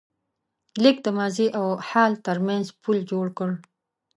لیک د ماضي او حال تر منځ پُل جوړ کړ.